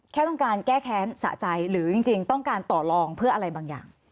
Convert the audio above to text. แค่ต้องการแก้แค้นสะใจหรือจริงต้องการต่อลองเพื่ออะไรบางอย่าง